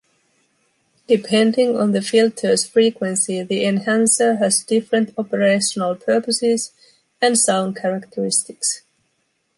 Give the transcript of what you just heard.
Depending on the filter’s frequency the enhancer has different operational purposes and sound characteristics.